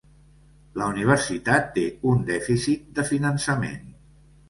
La universitat té un dèficit de finançament